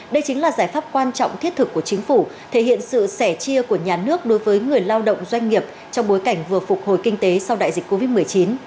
đây chính là giải pháp quan trọng thiết thực của chính phủ thể hiện sự sẻ chia của nhà nước đối với người lao động doanh nghiệp trong bối cảnh vừa phục hồi kinh tế sau đại dịch covid một mươi chín